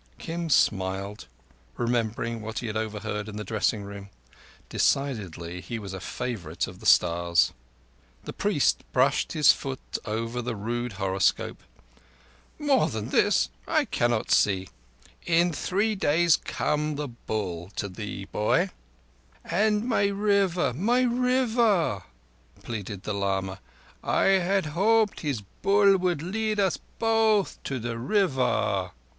Kim smiled, remembering what he had overheard in the dressing room. Decidedly he was a favourite of the stars. The priest brushed his foot over the rude horoscope. "More than this I cannot see. In three days comes the Bull to thee, boy." "And my River, my River," pleaded the lama. "I had hoped his Bull would lead us both to the River."